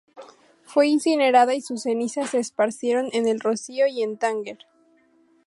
Fue incinerada y sus cenizas se esparcieron en El Rocío y en Tánger.